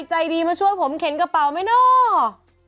ใจดีมาช่วยผมเข็นกระเป๋าไหมเนาะ